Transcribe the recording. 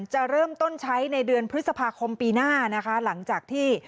จะเริ่มต้นใช้ในเดือนพฤษภาคมปีหน้านะคะหลังจากที่